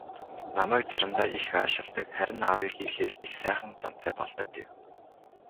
"Намайг заримдаа их аашилдаг, харин аавыг ирэхээр их сайхан зантай болдог" гэв.